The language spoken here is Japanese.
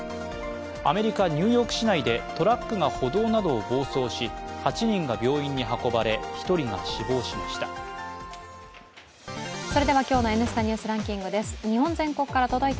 アメリカ・ニューヨーク市内でトラックが歩道などを暴走し８人が病院に運ばれ、１人が死亡しました。